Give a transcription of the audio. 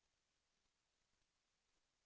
เราก็ต้องทำงานก่อน